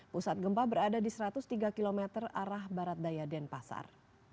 pusat gempa berada di satu ratus tiga km arah barat daya denpasar